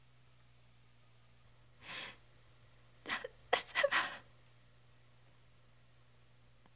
旦那様。